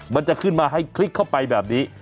มันจะขึ้นมาให้คลิกเข้าไปแบบนี้